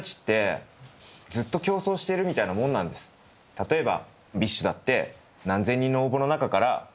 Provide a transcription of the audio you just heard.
例えば。